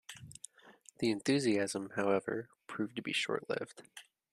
The enthusiasm, however, proved to be short lived.